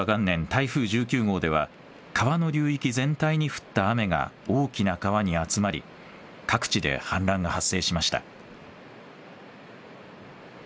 台風１９号では川の流域全体に降った雨が大きな川に集まり各地で氾濫が発生しました。